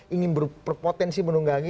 ingin berpotensi menunggangi